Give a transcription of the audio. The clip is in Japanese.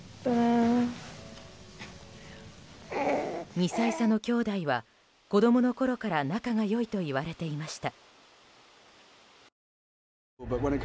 ２歳差の兄弟は子供のころから仲が良いといわれていました。